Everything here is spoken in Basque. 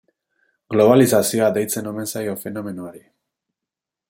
Globalizazioa deitzen omen zaio fenomenoari.